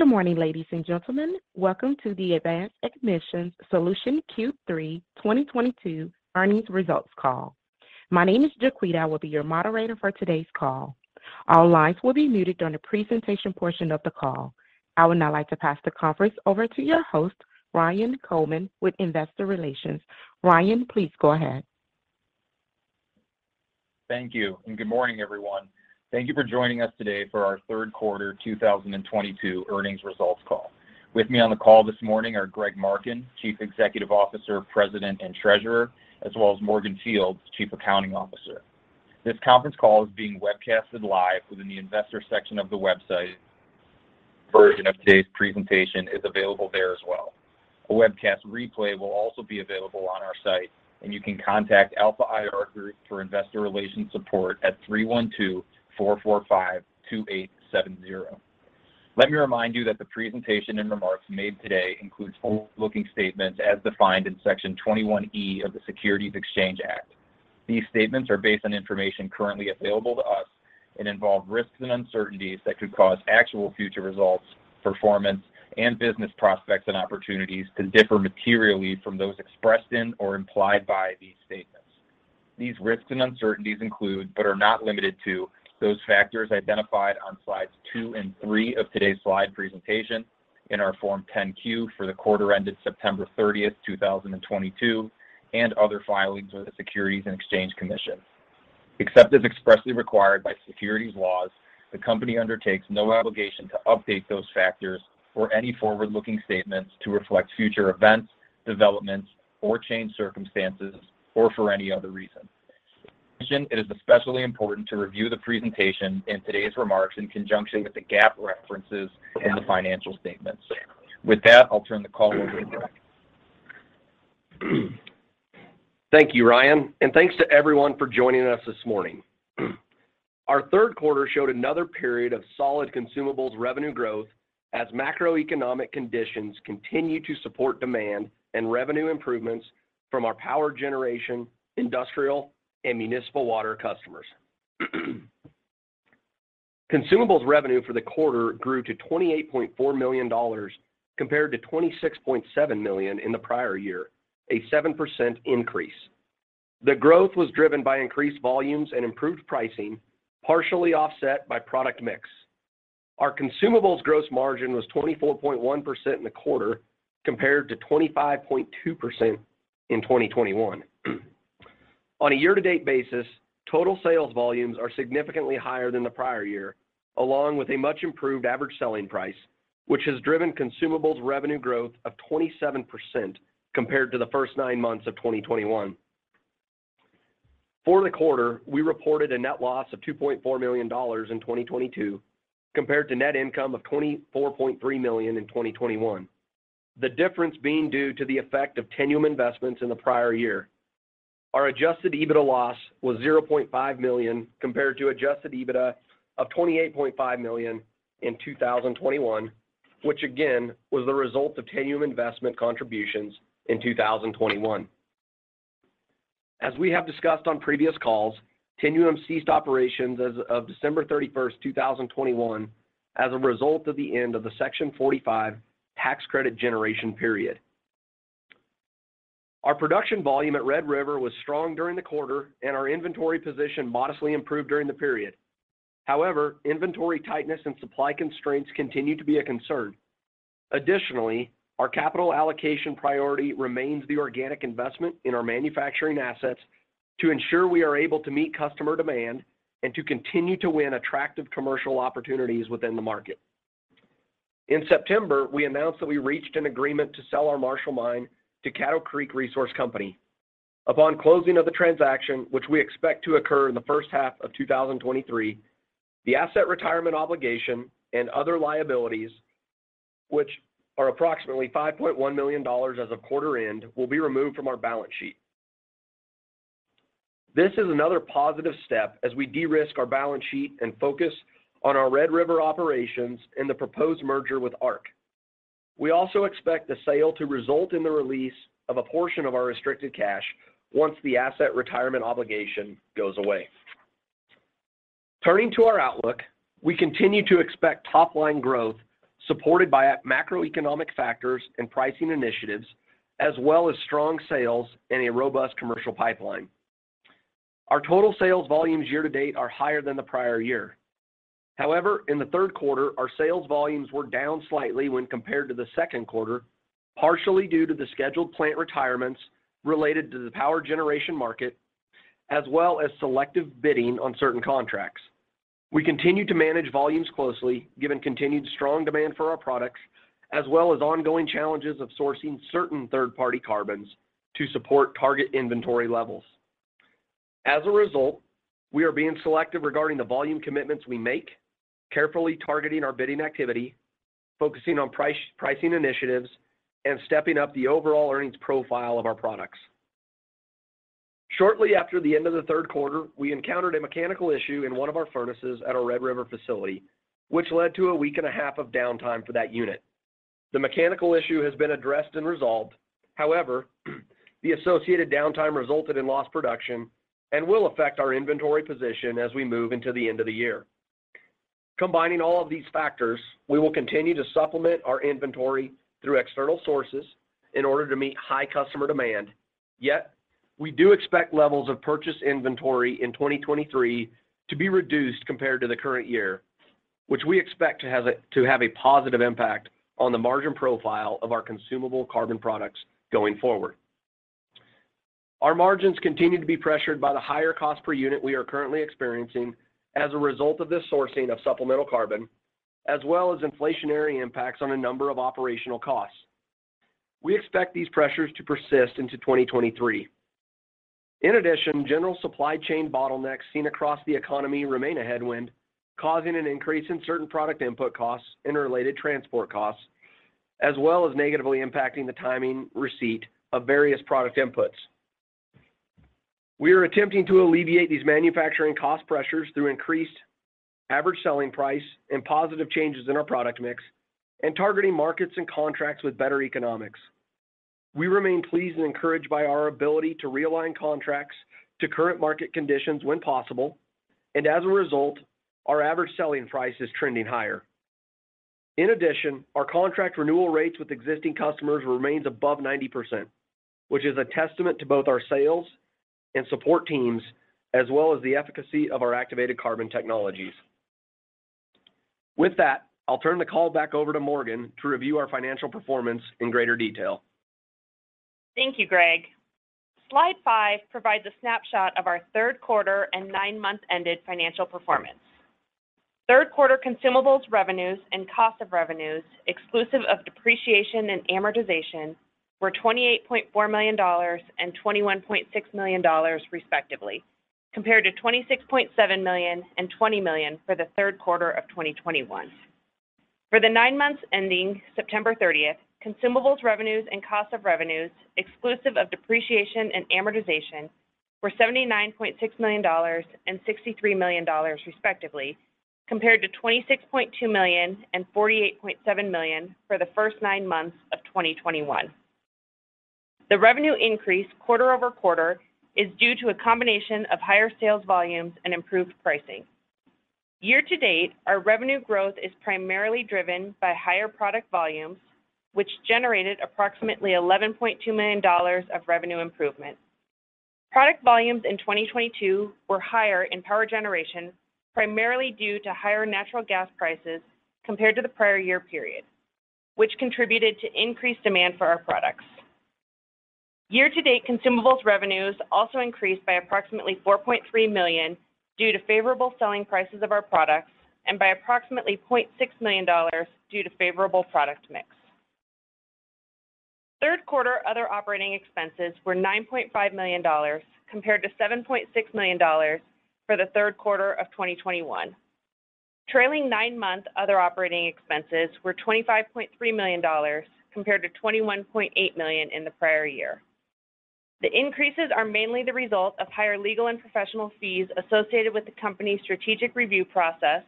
Good morning, ladies and gentlemen. Welcome to the Advanced Emissions Solutions Q3 2022 Earnings Results Call. My name is Jacquita. I will be your moderator for today's call. All lines will be muted during the presentation portion of the call. I would now like to pass the conference over to your host, Ryan Coleman, with Investor Relations. Ryan, please go ahead. Thank you, and good morning, everyone. Thank you for joining us today for our third quarter 2022 earnings results call. With me on the call this morning are Greg Marken, Chief Executive Officer, President, and Treasurer, as well as Morgan Fields, Chief Accounting Officer. This conference call is being webcasted live within the investor section of the website. Version of today's presentation is available there as well. A webcast replay will also be available on our site, and you can contact Alpha IR Group for investor relations support at 312-445-2870. Let me remind you that the presentation and remarks made today includes forward-looking statements as defined in Section 21E of the Securities Exchange Act. These statements are based on information currently available to us and involve risks and uncertainties that could cause actual future results, performance, and business prospects and opportunities to differ materially from those expressed in or implied by these statements. These risks and uncertainties include, but are not limited to, those factors identified on slides two and three of today's slide presentation in our Form 10-Q for the quarter ended September 30, 2022, and other filings with the Securities and Exchange Commission. Except as expressly required by securities laws, the company undertakes no obligation to update those factors or any forward-looking statements to reflect future events, developments or changed circumstances or for any other reason. It is especially important to review the presentation in today's remarks in conjunction with the GAAP references in the financial statements. With that, I'll turn the call over to Greg. Thank you, Ryan, and thanks to everyone for joining us this morning. Our third quarter showed another period of solid consumables revenue growth as macroeconomic conditions continue to support demand and revenue improvements from our power generation, industrial, and municipal water customers. Consumables revenue for the quarter grew to $28.4 million compared to $26.7 million in the prior year, a 7% increase. The growth was driven by increased volumes and improved pricing, partially offset by product mix. Our consumables gross margin was 24.1% in the quarter compared to 25.2% in 2021. On a year-to-date basis, total sales volumes are significantly higher than the prior year, along with a much improved average selling price, which has driven consumables revenue growth of 27% compared to the first nine months of 2021. For the quarter, we reported a net loss of $2.4 million in 2022 compared to net income of $24.3 million in 2021. The difference being due to the effect of Tinuum investments in the prior year. Our adjusted EBITDA loss was $0.5 million compared to adjusted EBITDA of $28.5 million in 2021, which again was the result of Tinuum investment contributions in 2021. As we have discussed on previous calls, Tinuum ceased operations as of December 31, 2021, as a result of the end of the Section 45 tax credit generation period. Our production volume at Red River was strong during the quarter and our inventory position modestly improved during the period. However, inventory tightness and supply constraints continue to be a concern. Additionally, our capital allocation priority remains the organic investment in our manufacturing assets to ensure we are able to meet customer demand and to continue to win attractive commercial opportunities within the market. In September, we announced that we reached an agreement to sell our Marshall Mine to Caddo Creek Resources Company, L.L.C. Upon closing of the transaction, which we expect to occur in the first half of 2023, the asset retirement obligation and other liabilities, which are approximately $5.1 million as of quarter end, will be removed from our balance sheet. This is another positive step as we de-risk our balance sheet and focus on our Red River operations in the proposed merger with ARC. We also expect the sale to result in the release of a portion of our restricted cash once the asset retirement obligation goes away. Turning to our outlook, we continue to expect top-line growth supported by macroeconomic factors and pricing initiatives, as well as strong sales and a robust commercial pipeline. Our total sales volumes year-to-date are higher than the prior year. However, in the third quarter, our sales volumes were down slightly when compared to the second quarter, partially due to the scheduled plant retirements related to the power generation market, as well as selective bidding on certain contracts. We continue to manage volumes closely, given continued strong demand for our products, as well as ongoing challenges of sourcing certain third-party carbons to support target inventory levels. As a result, we are being selective regarding the volume commitments we make, carefully targeting our bidding activity, focusing on pricing initiatives, and stepping up the overall earnings profile of our products. Shortly after the end of the third quarter, we encountered a mechanical issue in one of our furnaces at our Red River facility, which led to a week and a half of downtime for that unit. The mechanical issue has been addressed and resolved. However, the associated downtime resulted in lost production and will affect our inventory position as we move into the end of the year. Combining all of these factors, we will continue to supplement our inventory through external sources in order to meet high customer demand. Yet, we do expect levels of purchase inventory in 2023 to be reduced compared to the current year, which we expect to have a positive impact on the margin profile of our consumable carbon products going forward. Our margins continue to be pressured by the higher cost per unit we are currently experiencing as a result of this sourcing of supplemental carbon, as well as inflationary impacts on a number of operational costs. We expect these pressures to persist into 2023. In addition, general supply chain bottlenecks seen across the economy remain a headwind, causing an increase in certain product input costs, interrelated transport costs, as well as negatively impacting the timing of receipt of various product inputs. We are attempting to alleviate these manufacturing cost pressures through increased average selling price and positive changes in our product mix and targeting markets and contracts with better economics. We remain pleased and encouraged by our ability to realign contracts to current market conditions when possible, and as a result, our average selling price is trending higher. In addition, our contract renewal rates with existing customers remains above 90%, which is a testament to both our sales and support teams, as well as the efficacy of our activated carbon technologies. With that, I'll turn the call back over to Morgan to review our financial performance in greater detail. Thank you, Greg. Slide five provides a snapshot of our third quarter and nine-month-ended financial performance. Third quarter consumables revenues and cost of revenues, exclusive of depreciation and amortization, were $28.4 million and $21.6 million, respectively. Compared to $26.7 million and $20 million for the third quarter of 2021. For the nine months ending September thirtieth, consumables revenues and cost of revenues, exclusive of depreciation and amortization, were $79.6 million and $63 million, respectively, compared to $26.2 million and $48.7 million for the first nine months of 2021. The revenue increase quarter-over-quarter is due to a combination of higher sales volumes and improved pricing. Year-to-date, our revenue growth is primarily driven by higher product volumes, which generated approximately $11.2 million of revenue improvement. Product volumes in 2022 were higher in power generation, primarily due to higher natural gas prices compared to the prior year period, which contributed to increased demand for our products. Year to date, consumables revenues also increased by approximately $4.3 million due to favorable selling prices of our products and by approximately $0.6 million due to favorable product mix. Third quarter other operating expenses were $9.5 million, compared to $7.6 million for the third quarter of 2021. Trailing nine-month other operating expenses were $25.3 million, compared to $21.8 million in the prior year. The increases are mainly the result of higher legal and professional fees associated with the company's strategic review process,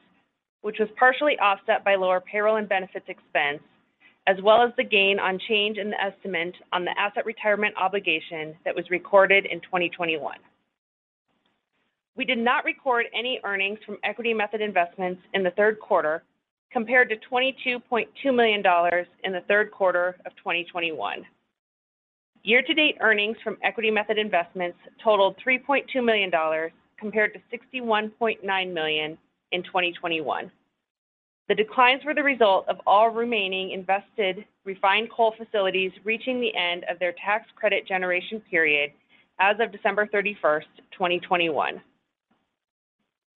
which was partially offset by lower payroll and benefits expense, as well as the gain on change in the estimate on the asset retirement obligation that was recorded in 2021. We did not record any earnings from equity method investments in the third quarter, compared to $22.2 million in the third quarter of 2021. Year to date earnings from equity method investments totaled $3.2 million compared to $61.9 million in 2021. The declines were the result of all remaining invested refined coal facilities reaching the end of their tax credit generation period as of December 31, 2021.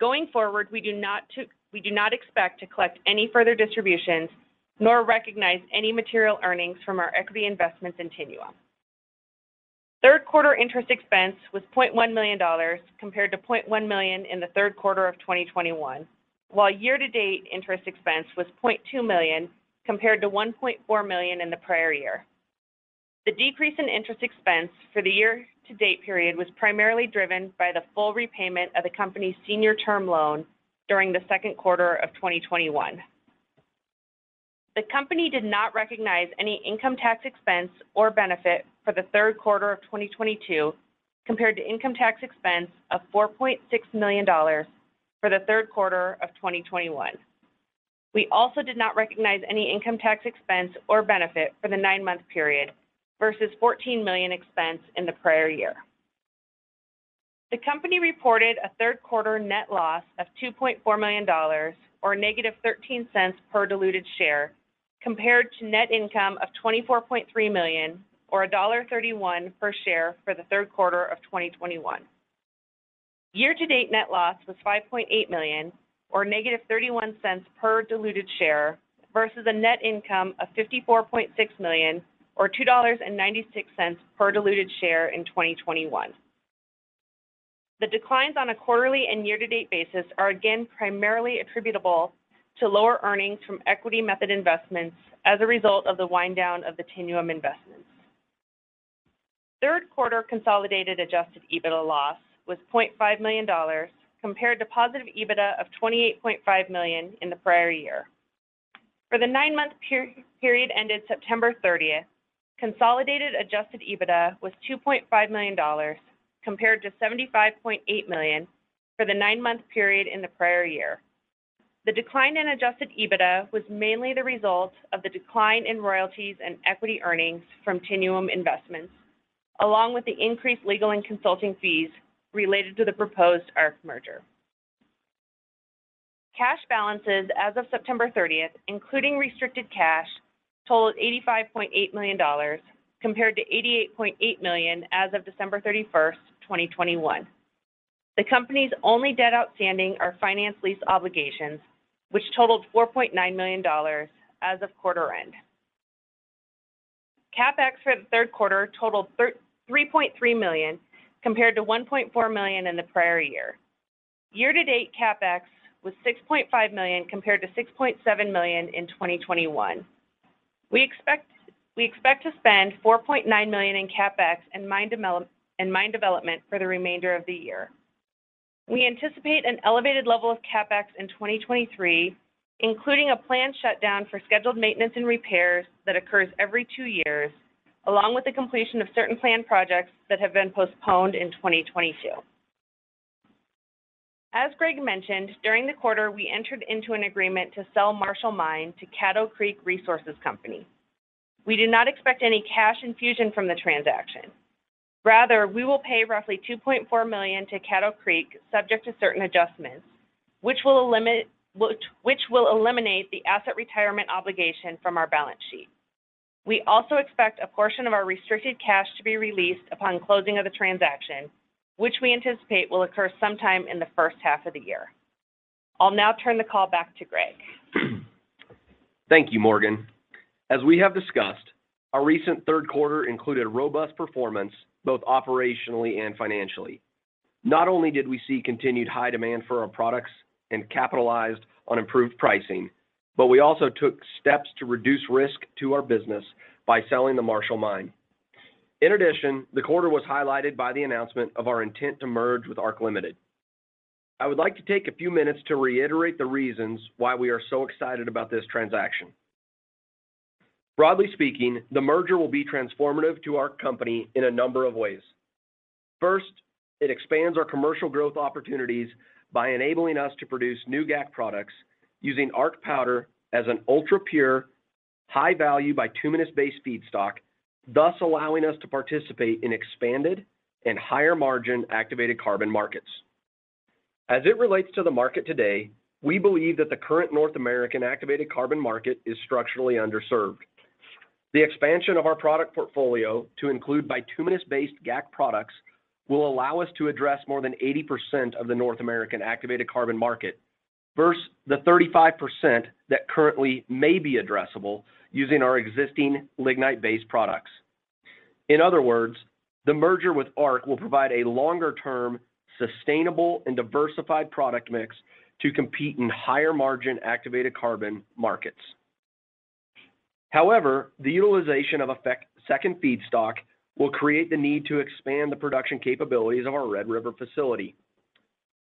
Going forward, we do not expect to collect any further distributions nor recognize any material earnings from our equity investments in Tinuum. Third quarter interest expense was $0.1 million compared to $0.1 million in the third quarter of 2021, while year to date interest expense was $0.2 million compared to $1.4 million in the prior year. The decrease in interest expense for the year to date period was primarily driven by the full repayment of the company's senior term loan during the second quarter of 2021. The company did not recognize any income tax expense or benefit for the third quarter of 2022 compared to income tax expense of $4.6 million for the third quarter of 2021. We also did not recognize any income tax expense or benefit for the nine-month period versus $14 million expense in the prior year. The company reported a third quarter net loss of $2.4 million or -$0.13 per diluted share, compared to net income of $24.3 million or $1.31 per share for the third quarter of 2021. Year to date net loss was $5.8 million or -$0.31 per diluted share versus a net income of $54.6 million or $2.96 per diluted share in 2021. The declines on a quarterly and year to date basis are again primarily attributable to lower earnings from equity method investments as a result of the wind down of the Tinuum investment. Third quarter consolidated adjusted EBITDA loss was $0.5 million compared to positive EBITDA of $28.5 million in the prior year. For the nine-month period ended September thirtieth, consolidated adjusted EBITDA was $2.5 million compared to $75.8 million for the nine-month period in the prior year. The decline in adjusted EBITDA was mainly the result of the decline in royalties and equity earnings from Tinuum Investments, along with the increased legal and consulting fees related to the proposed Arq merger. Cash balances as of September thirtieth, including restricted cash, totaled $85.8 million compared to $88.8 million as of December thirty-first, 2021. The company's only debt outstanding are finance lease obligations, which totaled $4.9 million as of quarter end. CapEx for the third quarter totaled $33.3 million compared to $1.4 million in the prior year. Year-to-date CapEx was $6.5 million compared to $6.7 million in 2021. We expect to spend $4.9 million in CapEx and mine development for the remainder of the year. We anticipate an elevated level of CapEx in 2023, including a planned shutdown for scheduled maintenance and repairs that occurs every two years, along with the completion of certain planned projects that have been postponed in 2022. As Greg mentioned, during the quarter, we entered into an agreement to sell Marshall Mine to Caddo Creek Resources Company. We do not expect any cash infusion from the transaction. Rather, we will pay roughly $2.4 million to Caddo Creek, subject to certain adjustments, which will eliminate the asset retirement obligation from our balance sheet. We also expect a portion of our restricted cash to be released upon closing of the transaction, which we anticipate will occur sometime in the first half of the year. I'll now turn the call back to Greg. Thank you, Morgan. As we have discussed, our recent third quarter included robust performance, both operationally and financially. Not only did we see continued high demand for our products and capitalized on improved pricing, but we also took steps to reduce risk to our business by selling the Marshall Mine. In addition, the quarter was highlighted by the announcement of our intent to merge with Arq Limited. I would like to take a few minutes to reiterate the reasons why we are so excited about this transaction. Broadly speaking, the merger will be transformative to our company in a number of ways. First, it expands our commercial growth opportunities by enabling us to produce new GAC products using Arq Powder as an ultra-pure, high value bituminous-based feedstock, thus allowing us to participate in expanded and higher margin activated carbon markets. As it relates to the market today, we believe that the current North American activated carbon market is structurally underserved. The expansion of our product portfolio to include bituminous-based GAC products will allow us to address more than 80% of the North American activated carbon market versus the 35% that currently may be addressable using our existing lignite-based products. In other words, the merger with Arq will provide a longer-term sustainable and diversified product mix to compete in higher margin activated carbon markets. However, the utilization of second feedstock will create the need to expand the production capabilities of our Red River facility.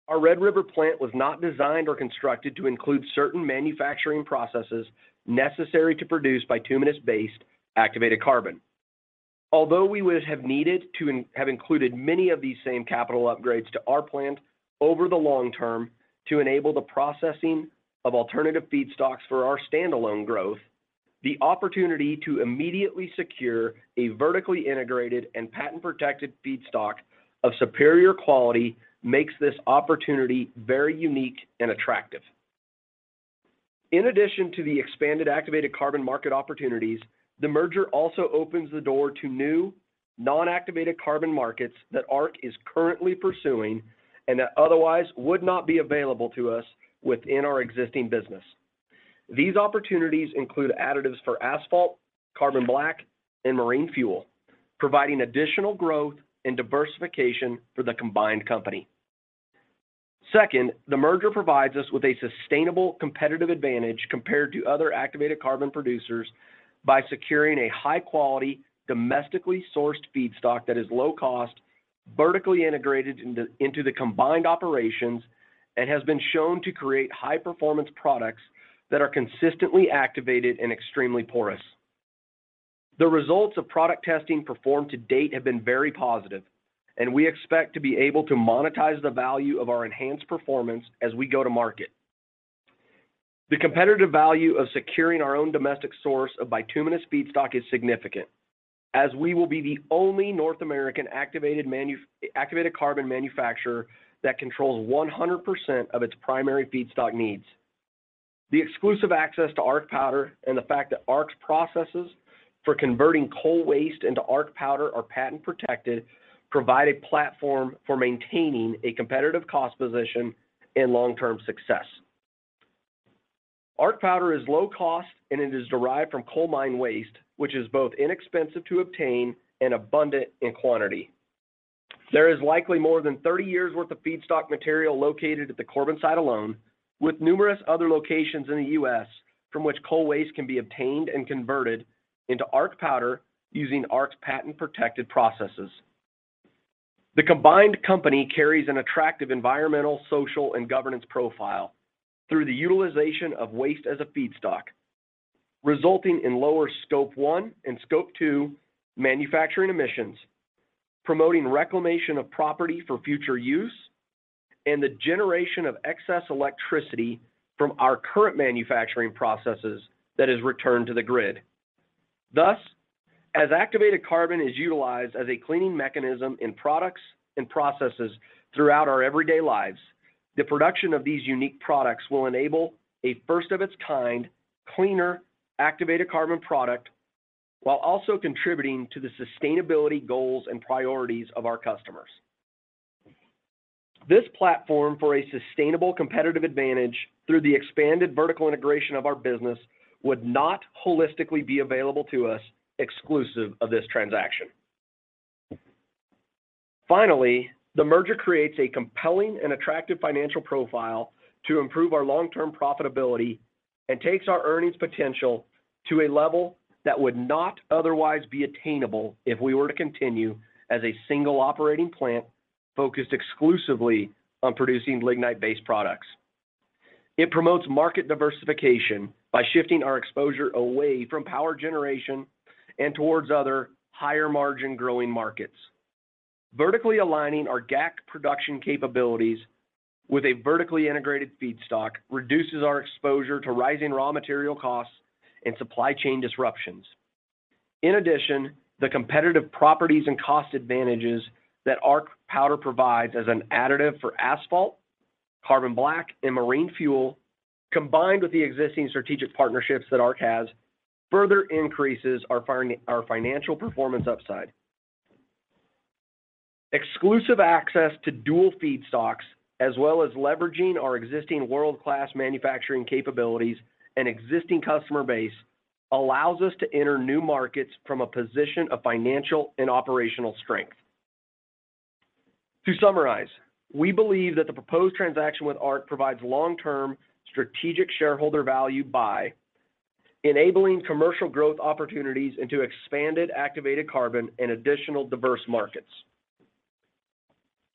Our Red River plant was not designed or constructed to include certain manufacturing processes necessary to produce bituminous-based activated carbon. Although we would have needed to have included many of these same capital upgrades to our plant over the long term to enable the processing of alternative feedstocks for our standalone growth, the opportunity to immediately secure a vertically integrated and patent-protected feedstock of superior quality makes this opportunity very unique and attractive. In addition to the expanded activated carbon market opportunities, the merger also opens the door to new non-activated carbon markets that Arq is currently pursuing and that otherwise would not be available to us within our existing business. These opportunities include additives for asphalt, carbon black, and marine fuel, providing additional growth and diversification for the combined company. Second, the merger provides us with a sustainable competitive advantage compared to other activated carbon producers by securing a high-quality, domestically sourced feedstock that is low cost, vertically integrated into the combined operations, and has been shown to create high-performance products that are consistently activated and extremely porous. The results of product testing performed to date have been very positive, and we expect to be able to monetize the value of our enhanced performance as we go to market. The competitive value of securing our own domestic source of bituminous feedstock is significant, as we will be the only North American activated carbon manufacturer that controls 100% of its primary feedstock needs. The exclusive access to Arq Powder and the fact that Arq's processes for converting coal waste into Arq Powder are patent-protected provide a platform for maintaining a competitive cost position and long-term success. Arq Powder is low cost, and it is derived from coal mine waste, which is both inexpensive to obtain and abundant in quantity. There is likely more than 30 years' worth of feedstock material located at the Corbin site alone, with numerous other locations in the U.S. from which coal waste can be obtained and converted into Arq Powder using Arq's patent-protected processes. The combined company carries an attractive environmental, social, and governance profile through the utilization of waste as a feedstock, resulting in lower Scope 1 and Scope 2 manufacturing emissions, promoting reclamation of property for future use, and the generation of excess electricity from our current manufacturing processes that is returned to the grid. Thus, as activated carbon is utilized as a cleaning mechanism in products and processes throughout our everyday lives, the production of these unique products will enable a first-of-its-kind cleaner activated carbon product while also contributing to the sustainability goals and priorities of our customers. This platform for a sustainable competitive advantage through the expanded vertical integration of our business would not holistically be available to us exclusive of this transaction. Finally, the merger creates a compelling and attractive financial profile to improve our long-term profitability and takes our earnings potential to a level that would not otherwise be attainable if we were to continue as a single operating plant focused exclusively on producing lignite-based products. It promotes market diversification by shifting our exposure away from power generation and towards other higher margin growing markets. Vertically aligning our GAC production capabilities with a vertically integrated feedstock reduces our exposure to rising raw material costs and supply chain disruptions. In addition, the competitive properties and cost advantages that Arq Powder provides as an additive for asphalt, carbon black, and marine fuel, combined with the existing strategic partnerships that Arq has, further increases our financial performance upside. Exclusive access to dual feedstocks, as well as leveraging our existing world-class manufacturing capabilities and existing customer base allows us to enter new markets from a position of financial and operational strength. To summarize, we believe that the proposed transaction with Arq provides long-term strategic shareholder value by enabling commercial growth opportunities into expanded activated carbon and additional diverse markets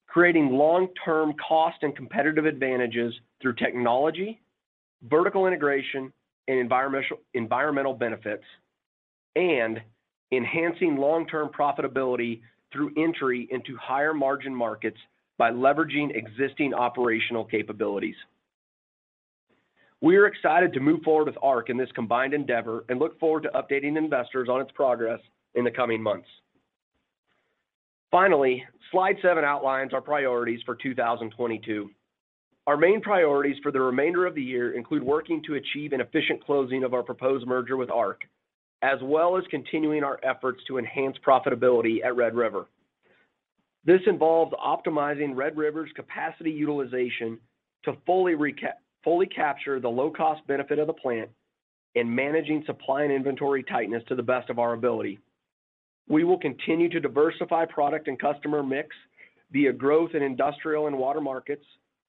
creating long-term cost and competitive advantages through technology, vertical integration, and environmental benefits and enhancing long-term profitability through entry into higher margin markets by leveraging existing operational capabilities. We are excited to move forward with Arq in this combined endeavor and look forward to updating investors on its progress in the coming months. Finally, slide 7 outlines our priorities for 2022. Our main priorities for the remainder of the year include working to achieve an efficient closing of our proposed merger with Arq, as well as continuing our efforts to enhance profitability at Red River. This involves optimizing Red River's capacity utilization to fully capture the low-cost benefit of the plant and managing supply and inventory tightness to the best of our ability. We will continue to diversify product and customer mix via growth in industrial and water markets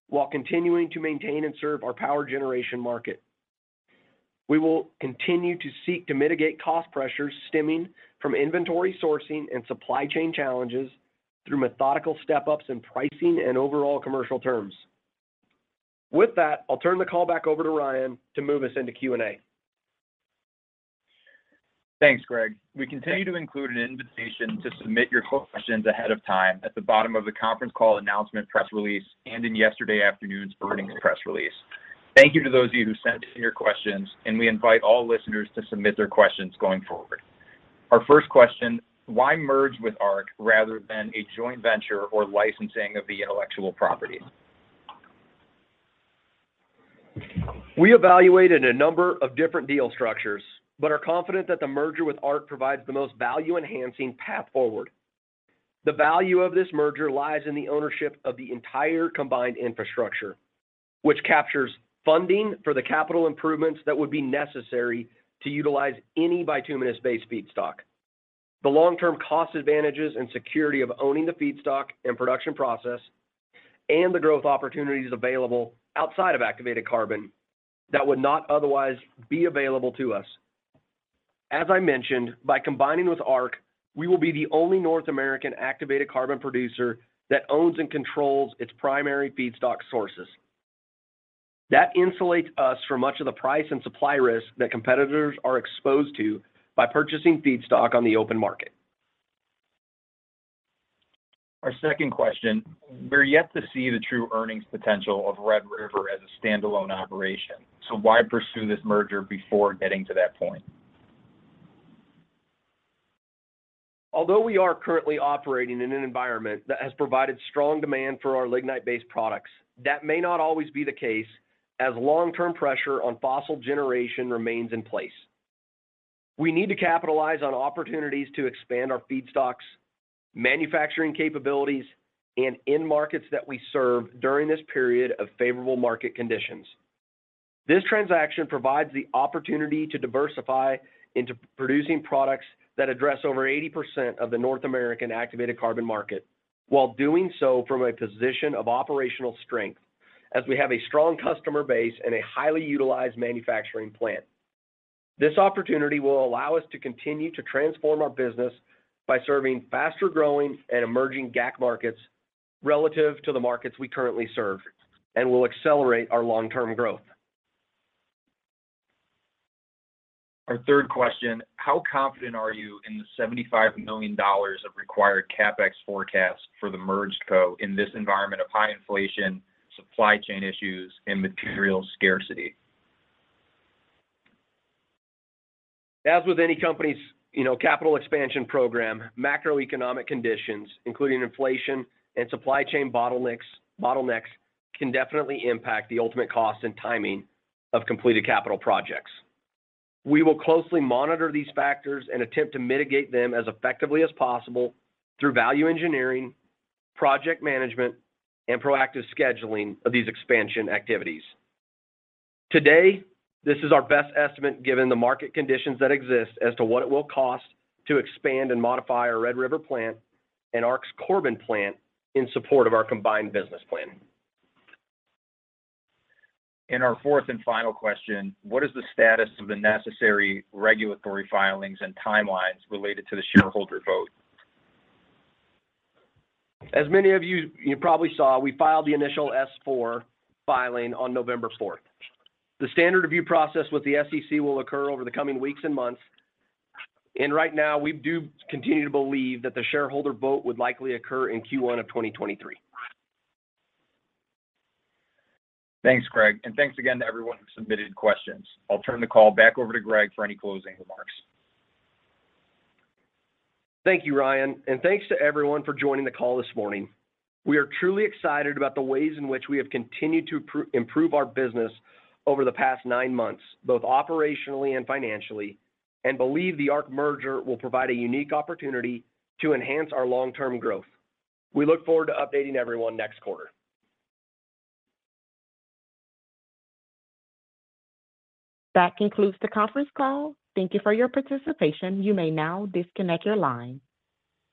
while continuing to maintain and serve our power generation market. We will continue to seek to mitigate cost pressures stemming from inventory sourcing and supply chain challenges through methodical step-ups in pricing and overall commercial terms. With that, I'll turn the call back over to Ryan to move us into Q&A. Thanks, Greg. We continue to include an invitation to submit your questions ahead of time at the bottom of the conference call announcement press release and in yesterday afternoon's earnings press release. Thank you to those of you who sent in your questions, and we invite all listeners to submit their questions going forward. Our first question, why merge with Arq rather than a joint venture or licensing of the intellectual property? We evaluated a number of different deal structures but are confident that the merger with Arq provides the most value-enhancing path forward. The value of this merger lies in the ownership of the entire combined infrastructure, which captures funding for the capital improvements that would be necessary to utilize any bituminous-based feedstock. The long-term cost advantages and security of owning the feedstock and production process and the growth opportunities available outside of activated carbon that would not otherwise be available to us. As I mentioned, by combining with Arq, we will be the only North American activated carbon producer that owns and controls its primary feedstock sources. That insulates us from much of the price and supply risk that competitors are exposed to by purchasing feedstock on the open market. Our second question, we're yet to see the true earnings potential of Red River as a standalone operation. Why pursue this merger before getting to that point? Although we are currently operating in an environment that has provided strong demand for our lignite-based products, that may not always be the case as long-term pressure on fossil generation remains in place. We need to capitalize on opportunities to expand our feedstocks, manufacturing capabilities, and end markets that we serve during this period of favorable market conditions. This transaction provides the opportunity to diversify into producing products that address over 80% of the North American activated carbon market while doing so from a position of operational strength as we have a strong customer base and a highly utilized manufacturing plant. This opportunity will allow us to continue to transform our business by serving faster-growing and emerging GAC markets relative to the markets we currently serve and will accelerate our long-term growth. Our third question, how confident are you in the $75 million of required CapEx forecast for the merged co in this environment of high inflation, supply chain issues and material scarcity? As with any company's, you know, capital expansion program, macroeconomic conditions, including inflation and supply chain bottlenecks can definitely impact the ultimate cost and timing of completed capital projects. We will closely monitor these factors and attempt to mitigate them as effectively as possible through value engineering, project management, and proactive scheduling of these expansion activities. Today, this is our best estimate given the market conditions that exist as to what it will cost to expand and modify our Red River plant and Arq's Corbin plant in support of our combined business plan. Our fourth and final question, what is the status of the necessary regulatory filings and timelines related to the shareholder vote? As many of you probably saw, we filed the initial S4 filing on November 4. The standard review process with the SEC will occur over the coming weeks and months. Right now, we do continue to believe that the shareholder vote would likely occur in Q1 of 2023. Thanks, Greg, and thanks again to everyone who submitted questions. I'll turn the call back over to Greg for any closing remarks. Thank you, Ryan, and thanks to everyone for joining the call this morning. We are truly excited about the ways in which we have continued to improve our business over the past nine months, both operationally and financially, and believe the ARC merger will provide a unique opportunity to enhance our long-term growth. We look forward to updating everyone next quarter. That concludes the conference call. Thank you for your participation. You may now disconnect your line.